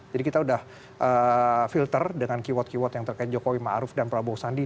jadi kita udah filter dengan keyword keyword yang terkait jokowi ma'ruf dan prabowo sandi